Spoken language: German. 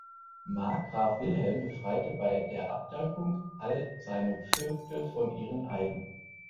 Markgraf Wilhelm befreite bei der Abdankung alle seine Vögte von ihren Eiden.